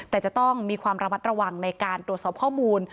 แต่จะต้องมีความระมัดระวังในการตรวจสอบข้อมูล